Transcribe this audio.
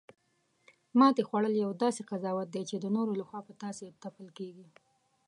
ماتې خوړل یو داسې قضاوت دی، چی د نورو لخوا په تاسې تپل کیږي